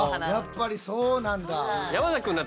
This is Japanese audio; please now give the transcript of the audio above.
やっぱりそうなんだ。